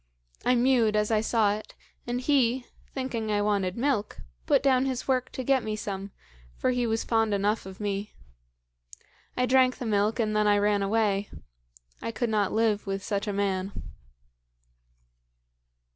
"I mewed as I saw it, and he, thinking I wanted milk, put down his work to get me some, for he was fond enough of me. I drank the milk, and then I ran away. I could not live with such a man.